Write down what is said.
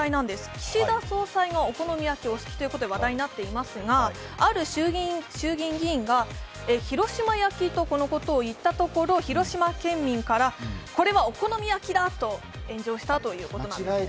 岸田総裁がお好み焼きがお好きということで話題になっていますがある衆議院議員が広島焼きとこのことを言ったところ広島県民から、これはお好み焼きだと炎上したということですね。